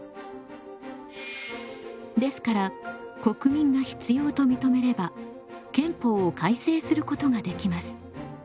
ですから国民が必要と認めれば憲法を改正することができます。